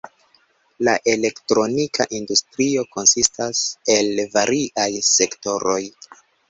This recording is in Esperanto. La elektronika industrio konsistas el variaj sektoroj.